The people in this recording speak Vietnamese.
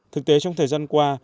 thực tế trong thời gian qua